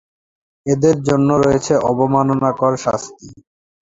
এদের জন্য রয়েছে অবমাননাকর শাস্তি।